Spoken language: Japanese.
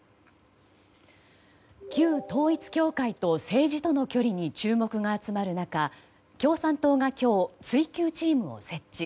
旧統一教会と政治との距離に注目が集まる中共産党が今日追及チームを設置。